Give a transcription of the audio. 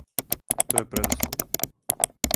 То је предуслов.